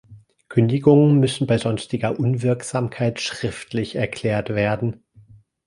Kündigungen müssen bei sonstiger Unwirksamkeit schriftlich erklärt werden.